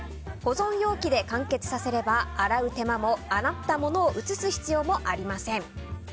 保存容器で完結させれば洗う手間も余ったものを移す必要もありません。